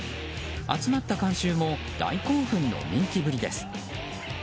集まった観衆も大興奮の人気ぶりです。